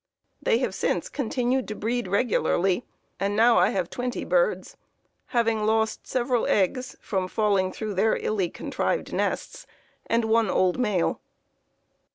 They have since continued to breed regularly, and now I have twenty birds, having lost several eggs from falling through their illy contrived nests and one old male."